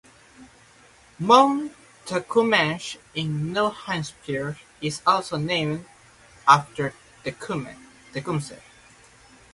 Mount Tecumseh in New Hampshire is also named after Tecumseh.